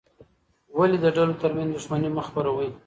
ولې د ډلو ترمنځ دښمني مه خپروې؟